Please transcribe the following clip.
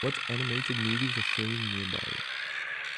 What animated movies are showing nearby